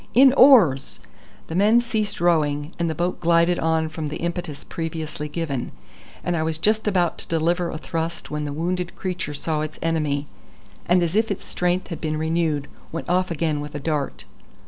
In oars!" The men ceased rowing, the boat glided on from the impetus previously given, and I was just about to deliver a thrust when the wounded creature saw its enemy, and as if its strength had been renewed, went off again with a dart.